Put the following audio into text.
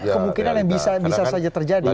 kemungkinan yang bisa saja terjadi